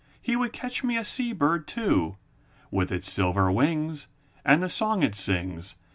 He would catch me a sea bird, too. With its silver wings And the song it sings.